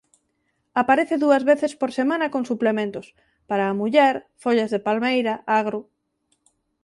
Aparece dúas veces por semana con suplementos: Para a muller, Follas de palmeira, Agro.